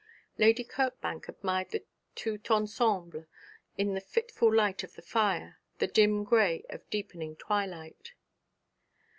Lady Kirkbank admired the tout ensemble in the fitful light of the fire, the dim grey of deepening twilight.